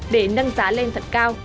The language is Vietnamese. để nâng giá lên thật cao